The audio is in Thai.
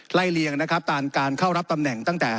เลียงนะครับตามการเข้ารับตำแหน่งตั้งแต่